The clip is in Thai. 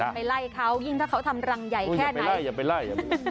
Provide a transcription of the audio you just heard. ไปไล่เขายิ่งถ้าเขาทำรังใหญ่แค่ไหนอย่าไปไล่